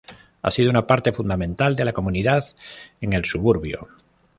Ha sido una parte fundamental de la comunidad en el suburbio.